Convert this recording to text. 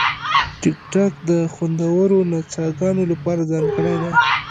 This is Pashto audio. ټیکټاک د خوندورو نڅاګانو لپاره ځانګړی دی.